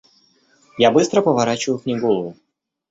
Я быстро поворачиваю к ней голову.